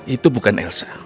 itu bukan elsa